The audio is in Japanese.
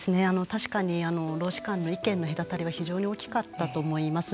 確かに労使間の意見の隔たりは非常に大きかったと思います。